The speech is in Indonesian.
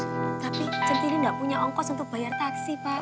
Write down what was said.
tapi centini gak punya ongkos untuk bayar taksi pak